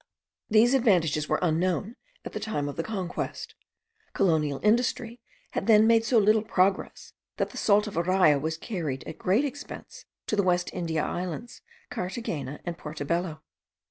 These advantages were unknown at the time of the conquest; colonial industry had then made so little progress, that the salt of Araya was carried, at great expense, to the West India Islands, Carthagena, and Portobello.